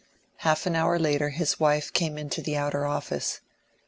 Half an hour later his wife came into the outer office.